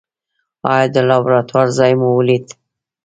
ایا د لابراتوار ځای مو ولید؟